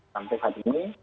sampai saat ini